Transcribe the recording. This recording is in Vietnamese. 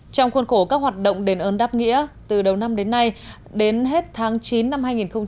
trong khuôn khổ các hoạt động đền ơn đáp nghĩa từ đầu năm đến nay đến hết tháng chín năm hai nghìn hai mươi